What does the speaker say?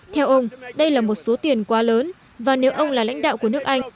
theo ông đây là một số tiền quá lớn và nếu ông là lãnh đạo của nước anh